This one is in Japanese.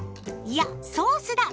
いやソースだ！